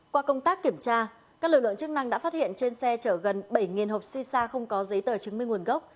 qua công tác kiểm tra các lực lượng chức năng đã phát hiện trên xe chở gần bảy hộp si sa không có giấy tờ chứng minh nguồn gốc